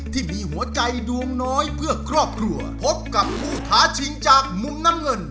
ที่มีหัวใจดวงน้อยเพื่อครอบครัวพบกับผู้ท้าชิงจากมุมน้ำเงิน